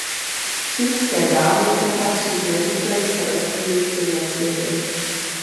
Čínské dálnice patří k nejrychleji se rozvíjejícím na světě.